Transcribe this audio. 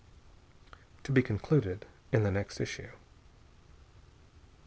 (_To be concluded in the next issue.